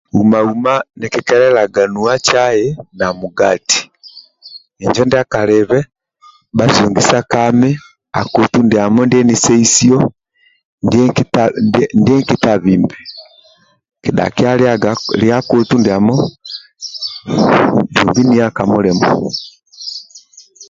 Huma huma ekikelelaga nua cai na mugati njo ndiakalibhe bhazugisa kami akotu ndiamo ndieniseisio ndiki tabhibhe kidhakia liaga dhubhi nia kamulimo